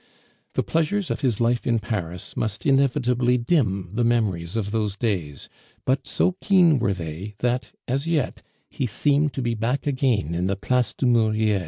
The pleasures of his life in Paris must inevitably dim the memories of those days; but so keen were they, that, as yet, he seemed to be back again in the Place du Murier.